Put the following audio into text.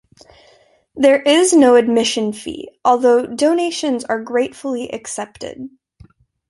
There is no admission fee, although donations are gratefully accepted.